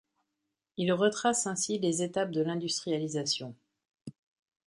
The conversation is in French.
Il retrace ainsi les étapes de l'industrialisation.